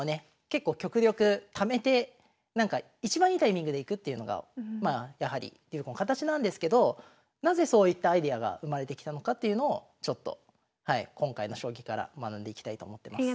結構極力ためていちばんいいタイミングでいくっていうのがやはり流行の形なんですけどなぜそういったアイデアが生まれてきたのかというのをちょっと今回の将棋から学んでいきたいと思ってます。